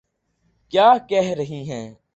کیا کہہ رہی ہیں۔